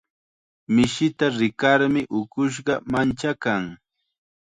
Mishita rikarmi ukushqa manchakan.